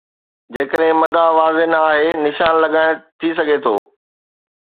جيڪڏهن مدعا واضح نه آهي، نشان لڳائڻ ٿي سگهي ٿو.